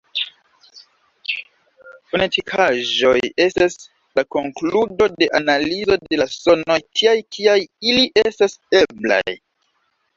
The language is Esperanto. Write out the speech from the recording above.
Fonetikaĵoj estas la konkludo de analizo de la sonoj tiaj kiaj ili estas eblaj.